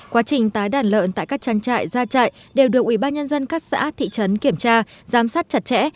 quá trình tái đàn lợn tại các trang trại gia trại đều được ủy ban nhân dân các xã thị trấn kiểm tra giám sát chặt chẽ